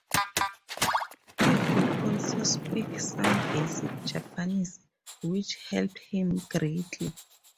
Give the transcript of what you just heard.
He could also speak some basic Japanese, which helped him greatly.